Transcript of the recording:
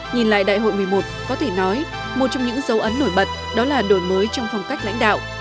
nhìn lại đại hội một mươi một có thể nói một trong những dấu ấn nổi bật đó là đổi mới trong phong cách lãnh đạo